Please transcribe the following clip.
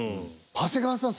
長谷川さん